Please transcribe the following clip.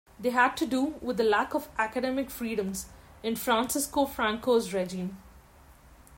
This had to do with the lack of academic freedoms in Francisco Franco's regime.